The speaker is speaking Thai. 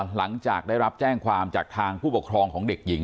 หลังจากได้รับแจ้งความจากทางผู้ปกครองของเด็กหญิง